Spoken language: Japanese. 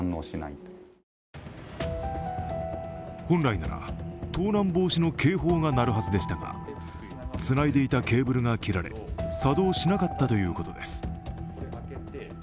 本来なら盗難防止の警報が鳴るはずでしたがつないでいたケーブルが切られ、作動しなかったということです。